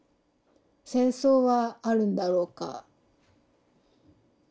戦争はあるんだろうか。